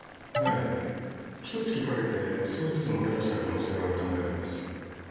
ええひと月かけて少しずつ漏れ出した可能性は考えられます。